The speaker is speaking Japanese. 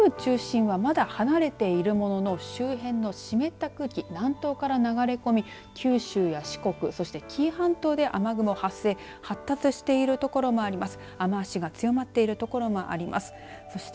台風中心はまだ離れていますが周辺の湿った空気、南東から流れ込み九州や四国、そして紀伊半島で雨雲が発生、発達している所もあります。